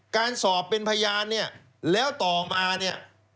การสอบเป็นพยานเนี่ยแล้วต่อมาเนี่ย